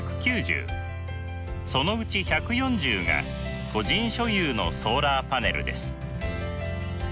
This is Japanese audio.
そのうち１４０が個人所有のソーラーパネルです。